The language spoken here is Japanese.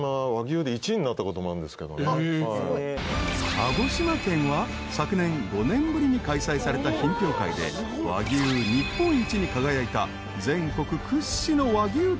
［鹿児島県は昨年５年ぶりに開催された品評会で和牛日本一に輝いた］